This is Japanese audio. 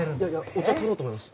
お茶を取ろうと思いまして。